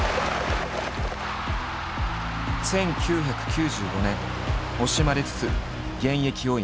１９９５年惜しまれつつ現役を引退。